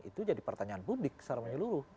itu jadi pertanyaan publik secara menyeluruh